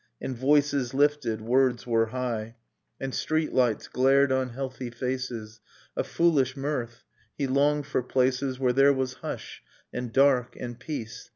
And voices lifted, words were high, And street lights glared on healthy faces. A foolish mirth !... He longed for places Where there was hush, and dark, and peace